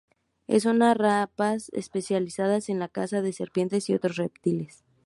Es una rapaz especializada en la caza de serpientes y otros reptiles.